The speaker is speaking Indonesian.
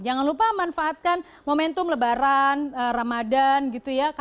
jangan lupa manfaatkan momentum lebaran ramadhan gitu ya